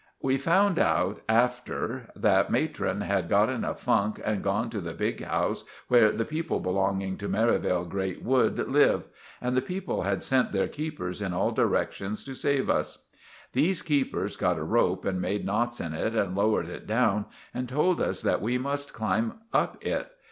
We found out, after, that Matron had got in a funk and gone to the big house, where the people belonging to Merivale Grate Wood live; and the people had sent their keepers in all directions to save us. These keepers got a rope and made knots in it and lowered it down, and told us that we must climb up it.